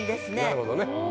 なるほどね。